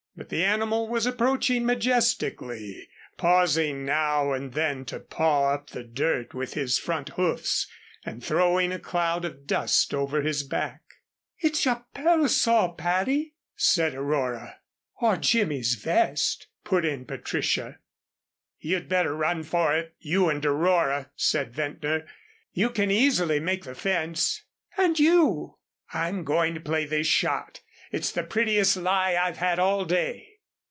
But the animal was approaching majestically, pausing now and then to paw up the dirt with his front hoofs and throwing a cloud of dust over his back. "It's your parasol, Patty," said Aurora. "Or Jimmy's vest," put in Patricia. "You'd better run for it, you and Aurora," said Ventnor. "You can easily make the fence." "And you?" "I'm going to play this shot. It's the prettiest lie I've had all day."